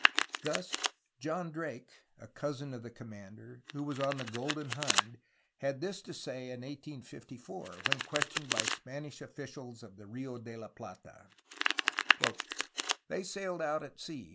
Thus, John Drake (a cousin of the commander), who was on the Golden Hind, had this to say in 1584, when questioned by Spanish officials of the Rio de la Plata: "they sailed out at sea